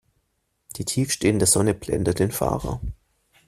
Die tief stehende Sonne blendet den Fahrer.